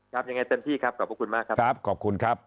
ครับยังไงเต็มที่ครับขอบพระคุณมากครับ